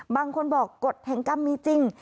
บางคนบอกกฎแห่งกรรมมีจริง